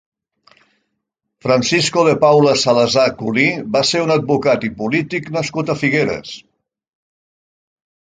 Francisco de Paula Salazar Culí va ser un advocat i polític nascut a Figueres.